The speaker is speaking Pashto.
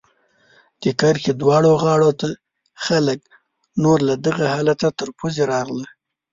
د کرښې دواړو غاړو ته خلک نور له دغه حالته تر پوزې راغله.